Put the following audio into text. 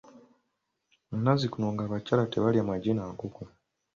Nazzikuno ng’abakyala tebalya magi na nkoko.